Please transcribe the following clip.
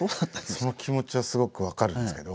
その気持ちはすごく分かるんですけど。